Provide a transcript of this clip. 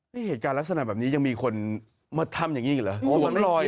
นี่เหตุจาระสนับแบบนี้ยังมีคนมาทำอย่างงี้เหรอ